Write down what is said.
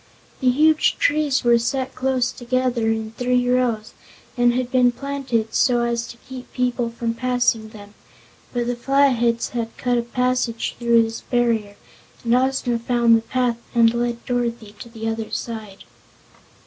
The huge trees were set close together, in three rows, and had been planted so as to keep people from passing them, but the Flatheads had cut a passage through this barrier and Ozma found the path and led Dorothy to the other side.